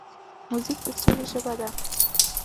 موزیک د سولې ژبه ده.